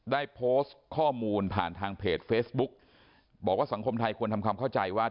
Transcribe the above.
ได้โพสต์ข้อมูลผ่านทางเพจเฟซบุ๊กบอกว่าสังคมไทยควรทำความเข้าใจว่า